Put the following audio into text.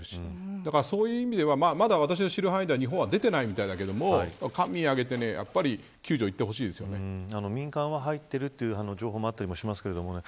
だから、そういう意味ではまだ私の知る範囲では日本を出ていないみたいだけど官民挙げて救助に行ってほ民間は入っているという情報もあったりしますけどね。